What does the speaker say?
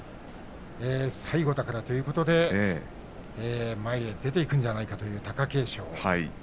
最後だからということで前へ出ていくんじゃないかという貴景勝。